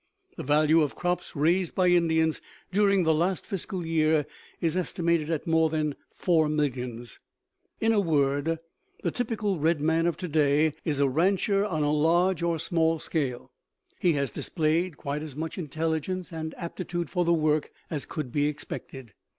The value of crops raised by Indians during the last fiscal year is estimated at more than four millions. In a word, the typical red man of to day is a rancher on a large or small scale. He has displayed quite as much intelligence and aptitude for the work as could be expected.